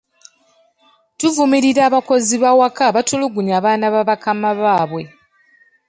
Tuvumirira abakozi b’awaka abatulugunya abaana ba bakama baabwe.